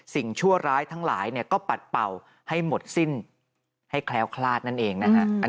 ชั่วร้ายทั้งหลายก็ปัดเป่าให้หมดสิ้นให้แคล้วคลาดนั่นเองนะฮะ